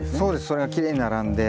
それがきれいに並んで。